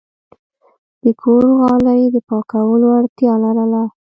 د کور غالی د پاکولو اړتیا لرله.